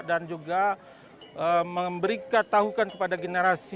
dan juga memberikan tahukan kepada generasi